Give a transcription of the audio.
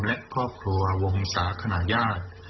และครอบครัววงศาขนาดยาก